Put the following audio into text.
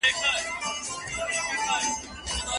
استاد د علمي کارونو په برخه کي بې پرې دی.